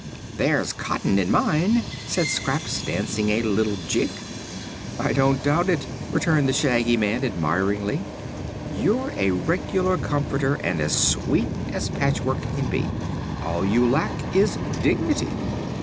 "There's cotton in mine," said Scraps, dancing a little jig. "I don't doubt it," returned the Shaggy Man admiringly. "You're a regular comforter and as sweet as patchwork can be. All you lack is dignity."